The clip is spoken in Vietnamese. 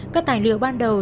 các tài liệu ban đầu